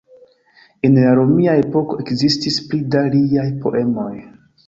En la romia epoko ekzistis pli da liaj poemoj.